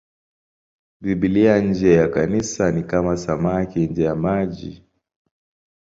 Biblia nje ya Kanisa ni kama samaki nje ya maji.